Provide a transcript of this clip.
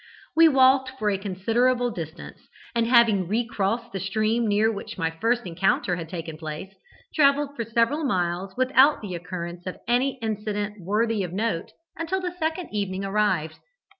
"We walked for a considerable distance, and having re crossed the stream near which my first encounter had taken place, travelled for several miles without the occurrence of any incident worthy of note until the second evening arrived.